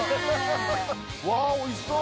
わー、おいしそう。